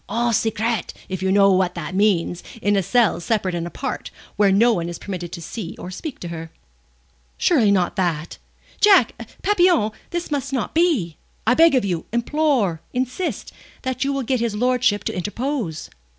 "_ Au secret_, if you know what that means in a cell separate and apart, where no one is permitted to see or speak to her." "Surely not that? Jack Papillon this must not be. I beg of you, implore, insist, that you will get his lordship to interpose."